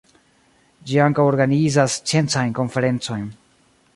Ĝi ankaŭ organizas sciencajn konferencojn.